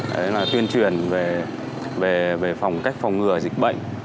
đấy là tuyên truyền về cách phòng ngừa dịch bệnh